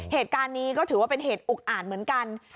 เหตุการณ์นี้ก็ถือว่าเป็นเหตุอุกอ่านเหมือนกัน